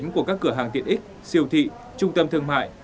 của các cửa hàng tiện ích siêu thị trung tâm thương mại